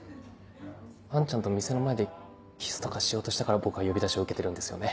アンちゃんと店の前でキスとかしようとしたから僕は呼び出しを受けてるんですよね。